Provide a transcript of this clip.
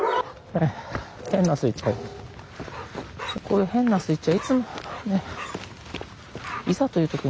これ変なスイッチはいつも。ね。